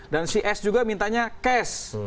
dan si s juga mintanya cash